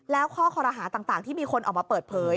แล้วข้อคอรหาต่างที่มีคนออกมาเปิดเผย